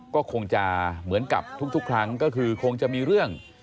ก็คงจะเหมือนกับทุกครั้งก็คือคงจะมีเรื่อง